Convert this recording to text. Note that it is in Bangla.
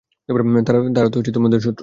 তারা তো তোমাদের শত্রু।